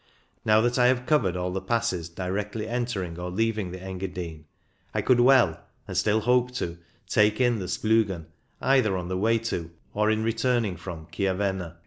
Now that I have covered all the passes directly entering or leaving i84 CYCLING IN THE ALPS the Engadine, I could well — and still hope to — take in the Spliigen either on the way to, or in returning from, Chiavenna.